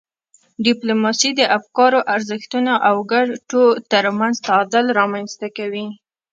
ډیپلوماسي د افکارو، ارزښتونو او ګټو ترمنځ تعادل رامنځته کوي.